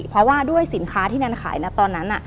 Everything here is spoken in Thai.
เพราะว่าด้วยสินค้าที่แนนขายนะตอนนั้น